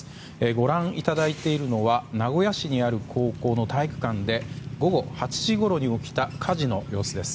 ご覧いただいているのは名古屋市にある高校の体育館で、午後８時ごろに起きた火事の様子です。